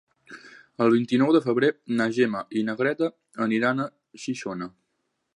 El vint-i-nou de febrer na Gemma i na Greta aniran a Xixona.